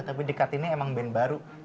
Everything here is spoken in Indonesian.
tapi dekat ini emang band baru